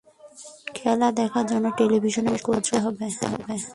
খেলা দেখার জন্য টেলিভিশন সচল করতে হবে।